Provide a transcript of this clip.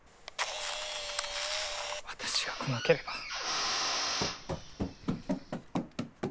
私が来なければ。